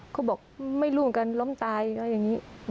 เขาบอกไม่รู้เหมือนกันล้อมตายอย่างนี้